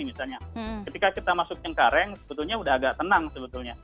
misalnya ketika kita masuk cengkareng sebetulnya sudah agak tenang sebetulnya